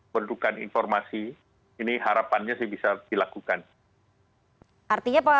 menurutkan informasi ini harapannya bisa dilakukan